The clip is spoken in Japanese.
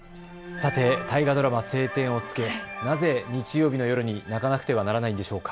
さて大河ドラマ、青天を衝けなぜ日曜日の夜に泣かなくてはならないんでしょうか。